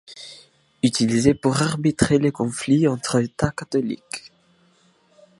Utilisé pour arbitrer les conflits entre états catholiques.